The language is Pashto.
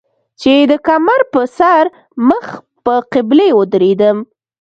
چې د کمر پۀ سر مخ پۀ قبله ودرېدم